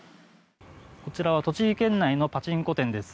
こちらは栃木県内のパチンコ店です。